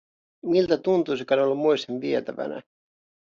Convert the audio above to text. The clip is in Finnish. Miltä tuntuisikaan olla moisen vietävänä?